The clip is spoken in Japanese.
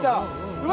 うわ！